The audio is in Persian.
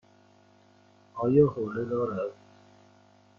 آیا حوله دارد؟